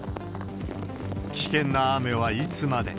危険な雨はいつまで。